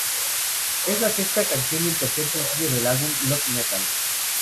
Es la sexta canción y el tercer sencillo del álbum Love Metal.